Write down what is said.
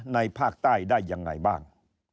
ในภาคใต้ได้ยังไงบ้าง